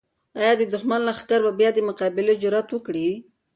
آیا د دښمن لښکر به بیا د مقابلې جرات وکړي؟